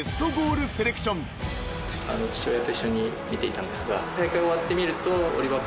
父親と一緒に見ていたんですが。